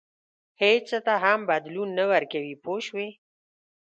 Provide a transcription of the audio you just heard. هېڅ څه ته هم بدلون نه ورکوي پوه شوې!.